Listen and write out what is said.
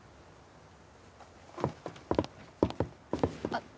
あっ。